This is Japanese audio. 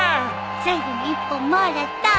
最後の一本もらった。